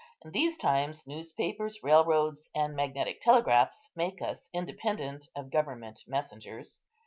In these times, newspapers, railroads, and magnetic telegraphs make us independent of government messengers.